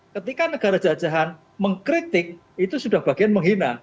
ketika negara jajahan mengkritik itu sudah bagian menghina